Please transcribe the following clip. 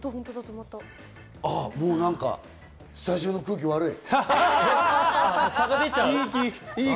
もうなんか、スタジオの空気悪い。